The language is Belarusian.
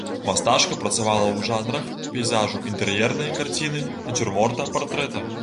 Мастачка працавала ў жанрах пейзажу, інтэр'ернай карціны, нацюрморта, партрэта.